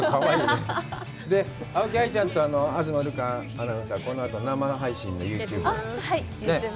青木愛ちゃんと東留伽アナウンサー、このあとは生配信のユーチューブ。